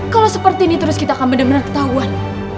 kalau seperti ini terus kita akan bener bener ketahuan